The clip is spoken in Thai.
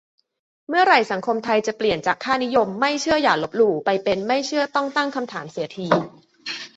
เมื่อไหร่สังคมไทยจะเปลี่ยนจากค่านิยม "ไม่เชื่ออย่าลบหลู่" ไปเป็น "ไม่เชื่อต้องตั้งคำถาม" เสียที